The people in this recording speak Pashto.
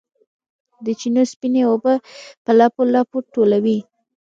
د چینو سپینې اوبه په لپو، لپو ټولوي